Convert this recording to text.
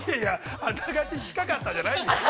◆あながち近かったじゃないんですよ。